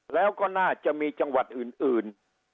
แล้วก็น่าจะมีจังหวัดอื่น